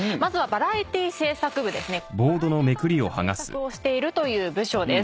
バラエティ番組の制作をしているという部署です。